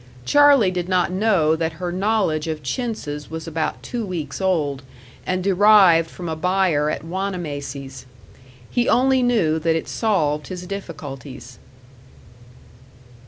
Charley did not know that her knowledge of chintzes was about two weeks old and derived from a buyer at Wanamacy's. He only knew that it solved his difficulties.